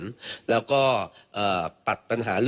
ทางนิติกรหมู่บ้านแจ้งกับสำนักงานเขตประเวท